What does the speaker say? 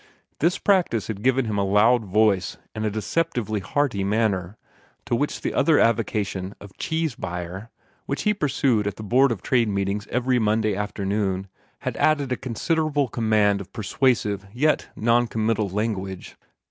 This practice had given him a loud voice and a deceptively hearty manner, to which the other avocation of cheese buyer, which he pursued at the Board of Trade meetings every Monday afternoon, had added a considerable command of persuasive yet non committal language.